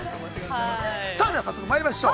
◆さあ早速まいりましょう。